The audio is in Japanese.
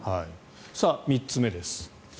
３つ目です。